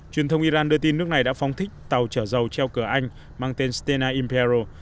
truyền thông iran đưa tin nước này đã phóng thích tàu chở dầu treo cờ anh mang tên stena imperaro